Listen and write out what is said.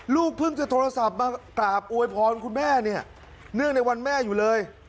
ลูกเพิ่งจะโทรศัพท์มากราบอวยพรคุณแม่เนี่ยเนื่องในวันแม่อยู่เลย